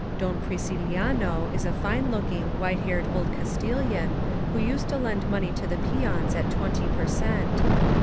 Don Priciliano is a fine looking, %92 HAPPY VALLEY white haired old Castilian who used to lend money to the peons at twenty per cent.